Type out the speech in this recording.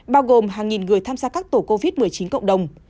bao gồm hàng nghìn người tham gia các tổ covid một mươi chín cộng đồng